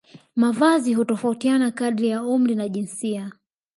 Mavazi hutofautiana kadiri ya umri na jinsia